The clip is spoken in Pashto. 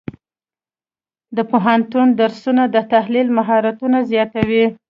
د پوهنتون درسونه د تحلیل مهارتونه زیاتوي.